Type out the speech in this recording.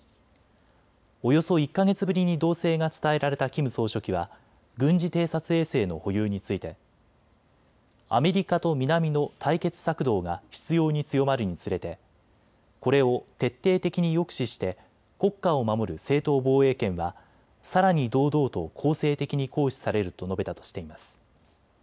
およそ１か月ぶりに動静が伝えられたキム総書記は軍事偵察衛星の保有についてアメリカと南の対決策動が執ように強まるにつれてこれを徹底的に抑止して国家を守る正当防衛権はさらに堂々と攻勢的に行使されると述べたとしています。